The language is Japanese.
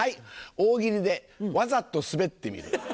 大喜利でわざとスベってみる。